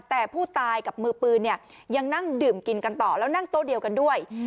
แต่ผู้ตายกับมือปืนเนี่ยยังนั่งดื่มกินกันต่อแล้วนั่งโต๊ะเดียวกันด้วย